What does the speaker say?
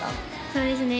そうですね